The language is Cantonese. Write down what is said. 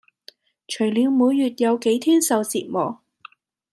除了每月有幾天受折磨